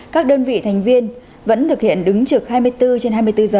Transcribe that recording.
các đơn vị thành viên vẫn thực hiện đứng trực hai mươi bốn trên hai mươi bốn giờ